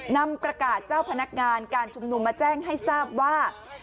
นำประกาศเจ้าพนักงานการชุมนุมมาแจ้งให้ทราบว่า